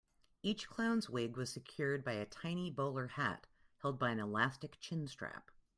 Each clown's wig was secured by a tiny bowler hat held by an elastic chin-strap.